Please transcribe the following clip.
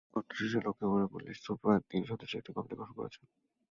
ঘটনা তদন্তে লক্ষ্মীপুরের পুলিশ সুপার তিন সদস্যের একটি কমিটি গঠন করেছেন।